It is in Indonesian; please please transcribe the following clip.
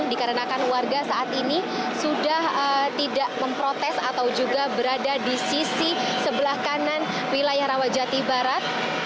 dikarenakan warga saat ini sudah tidak memprotes atau juga berada di sisi sebelah kanan wilayah rawajati barat